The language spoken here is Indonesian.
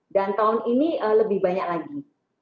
dan tahun ini lebih banyak lagi